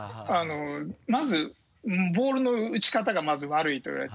まずボールの打ち方がまず悪いと言われて。